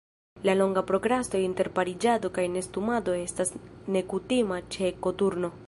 La longa prokrasto inter pariĝado kaj nestumado estas nekutima ĉe koturnoj.